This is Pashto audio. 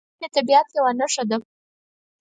مچمچۍ د طبیعت یوه نښه ده